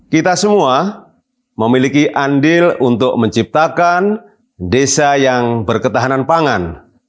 kita semua memiliki andil untuk menciptakan desa yang berketahanan pangan